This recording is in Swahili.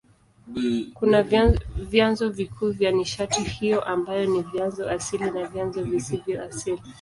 Kuna vyanzo vikuu vya nishati hiyo ambavyo ni vyanzo asili na vyanzo visivyo asili.